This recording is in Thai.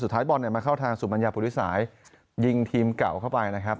ท้ายบอลเนี่ยมาเข้าทางสุมัญญาปุริสายยิงทีมเก่าเข้าไปนะครับ